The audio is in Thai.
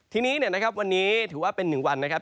ทีนี้นะครับวันนี้ถือว่าเป็น๑วันนะครับ